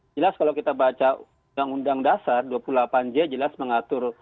jelas kalau kita baca undang undang dasar dua puluh delapan j jelas mengatur